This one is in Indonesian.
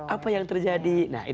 apa yang terjadi